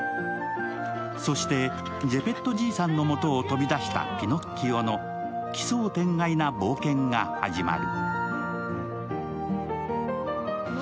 そして、ジェペット爺さんのもとを飛び出したピノッキオの奇想天外な冒険が始まる。